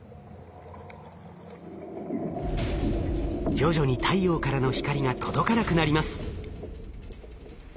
徐々に太陽からの光が届かなくなります。